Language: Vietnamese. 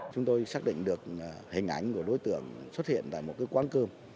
chúng tôi xác định được hình ảnh của đối tượng xuất hiện tại một quán cơm